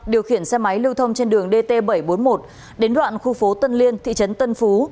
điều khiển xe máy lưu thông trên đường dt bảy trăm bốn mươi một đến đoạn khu phố tân liên thị trấn tân phú